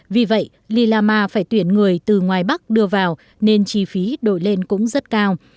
vì vậy lilama phải tuyển người từ ngoài bắc đưa vào nên chi phí đổi lên cũng rất cao